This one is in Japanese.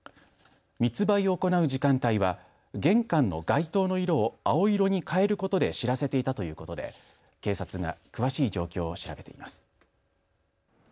密売を行う時間帯は玄関の外灯の色を青色に変えることで知らせていたということで警察が詳しい状況を調べています。